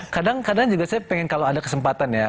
kadang kadang juga saya pengen kalau ada kesempatan ya